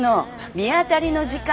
見当たりの時間。